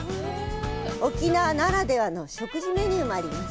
沖縄ならではの食事メニューもあります。